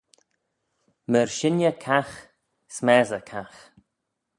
Myr shinney cagh, smessey cagh